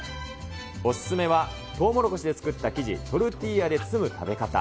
お勧めはとうもろこしで作った生地、トルティーヤで包む食べ方。